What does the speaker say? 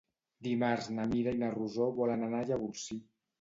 Dimarts na Mira i na Rosó volen anar a Llavorsí.